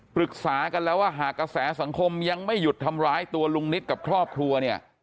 ปรึกษากันแล้วว่าหากกระแสสังคมยังไม่หยุดทำร้ายตัวลุงนิดกับครอบครัวเนี่ย